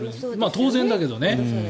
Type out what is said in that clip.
当然だけどね。